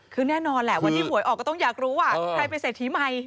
คือแน่นอนแหละวันที่หวยออกก็ต้องอยากรู้ว่าใครเป็นเศรษฐีใหม่